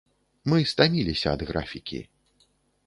Мы стаміліся ад графікі.